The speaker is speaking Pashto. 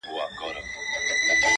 o په خپله کوڅه کي سپى هم، زمرى وي٫